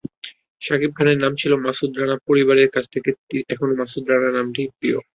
শাকিব খানের নাম ছিল মাসুদ রানাপরিবারের কাছে এখনো মাসুদ রানা নামটিই প্রিয়।